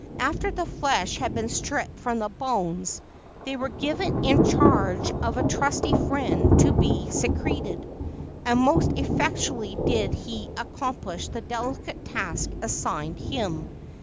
After the flesh had been stripped from the bones they were given in charge of a trusty friend to be secreted, and most effectually did he accomplish the delicate task assigned him.